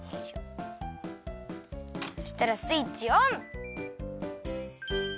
そしたらスイッチオン！